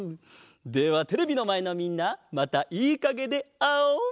ではテレビのまえのみんなまたいいかげであおう！